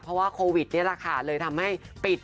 เพราะว่าโควิดนี่แหละค่ะเลยทำให้ปิด